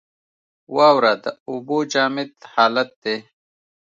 واوره د اوبو جامد حالت دی.